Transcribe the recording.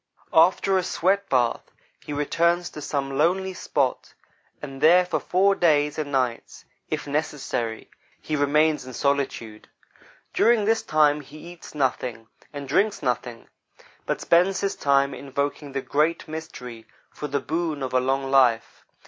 After a sweat bath, he retires to some lonely spot, and there, for four days and nights, if necessary, he remains in solitude. During this time he eats nothing; drinks nothing; but spends his time invoking the Great Mystery for the boon of a long life.